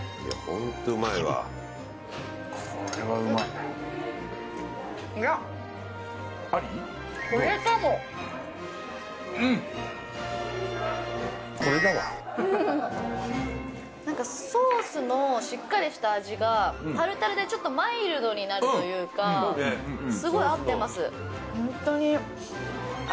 ホントうまいわこれはうまいいや何かソースのしっかりした味がタルタルでちょっとマイルドになるというかすごい合ってます